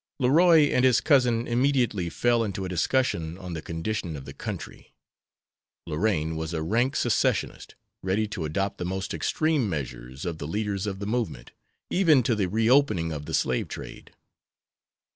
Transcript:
Leroy and his cousin immediately fell into a discussion on the condition of the country. Lorraine was a rank Secessionist, ready to adopt the most extreme measures of the leaders of the movement, even to the reopening of the slave trade.